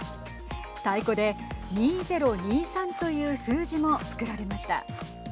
太鼓で２０２３という数字も作られました。